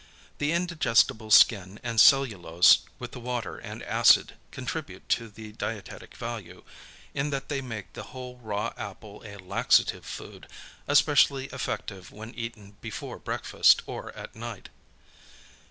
The indigestible skin and cellulose, with the water and acid, contribute to the dietetic value, in that they make the whole raw apple a laxative food, especially effective when eaten before breakfast or at night.